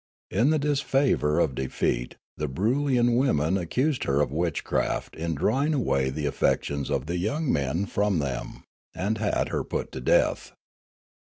In the disfavour of defeat the Broolyian women accused her of witch craft in drawing away the affections of the young men from them, and had her put to death.